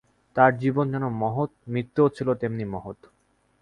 তাঁর জীবন যেমন মহৎ, মৃত্যুও ছিল তেমনি মহৎ।